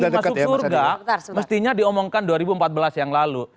masa itu masuk surga mestinya diomongkan dua ribu empat belas yang lalu